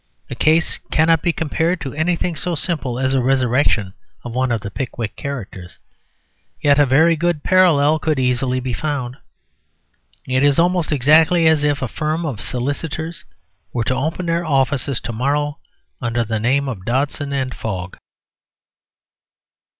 The case cannot be compared to anything so simple as a resurrection of one of the "Pickwick" characters; yet a very good parallel could easily be found. It is almost exactly as if a firm of solicitors were to open their offices to morrow under the name of Dodson and Fogg.